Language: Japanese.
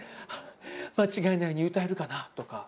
間違えないように歌えるかなとか。